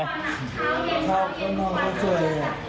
ชอบเย็นของน้องเขาสวย